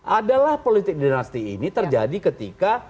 adalah politik dinasti ini terjadi ketika